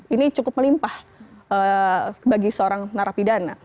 ini cukup melimpah bagi seorang narapidana